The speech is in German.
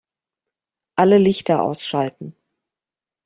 Alle Lichter ausschalten